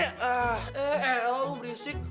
eh elang lu berisik